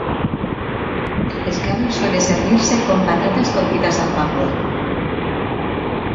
El pescado suele servirse con patatas cocinadas al vapor.